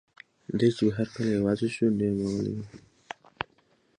دی چې به هر کله یوازې شو، ډېر به غلی و.